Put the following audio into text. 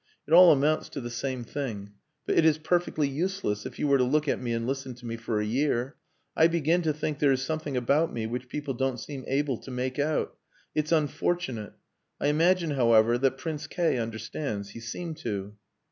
It all amounts to the same thing. But it is perfectly useless, if you were to look at me and listen to me for a year. I begin to think there is something about me which people don't seem able to make out. It's unfortunate. I imagine, however, that Prince K understands. He seemed to."